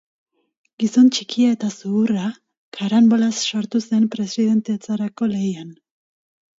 Gizon txikia eta zuhurra, karanbolaz sartu zen presidentetzarako lehian.